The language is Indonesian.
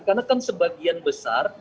karena kan sebagian besar